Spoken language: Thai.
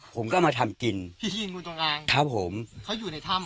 ผมก็มาทำกินอยู่ตรงกลางครับผมเขาอยู่ในถ้ำ